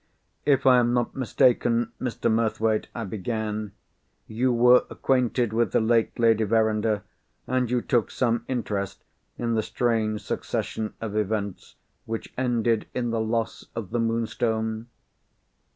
"If I am not mistaken, Mr. Murthwaite," I began, "you were acquainted with the late Lady Verinder, and you took some interest in the strange succession of events which ended in the loss of the Moonstone?"